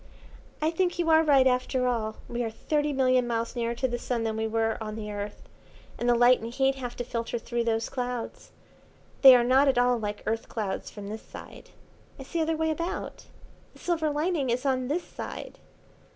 "I think you are right after all. We are thirty million miles nearer to the Sun than we were on the Earth, and the light and heat have to filter through those clouds. They are not at all like Earth clouds from this side. It's the other way about. The silver lining is on this side.